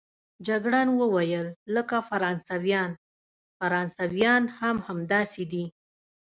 جګړن وویل: لکه فرانسویان، فرانسویان هم همداسې دي.